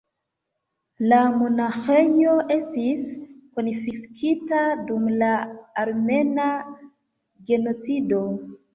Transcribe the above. La monaĥejo estis konfiskita dum la Armena genocido.